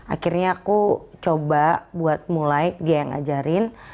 akhirnya aku coba buat mulai dia yang ngajarin